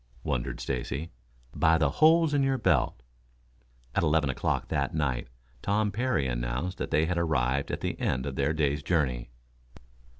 wondered Stacy. "By the holes in your belt." At eleven o'clock that night Tom Parry announced that they had arrived at the end of their day's journey.